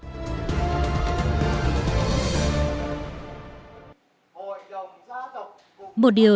là phong trào khuyến học